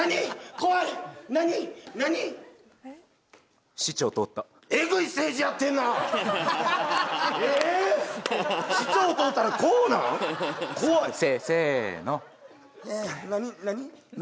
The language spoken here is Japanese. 怖いせの何？